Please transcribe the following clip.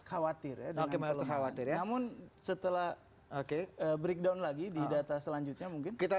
khawatir ya khawatir namun setelah oke breakdown lagi di data selanjutnya mungkin kita